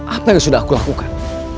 apa yang sudah aku lakukan